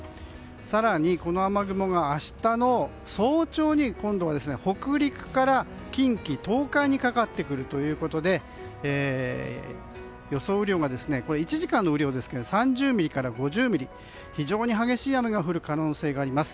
更にこの雨雲が明日の早朝に北陸から近畿、東海にかかってくるということで予想雨量が１時間の雨量ですが３０ミリから５０ミリ非常に激しい雨が降る可能性があります。